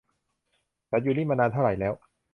ฉันอยู่นี่มานานเท่าไรแล้ว